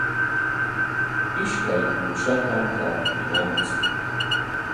Ishkay uushatam rantinanchik.